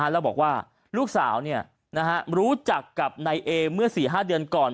แล้วบอกว่าลูกสาวรู้จักกับนายเอเมื่อ๔๕เดือนก่อน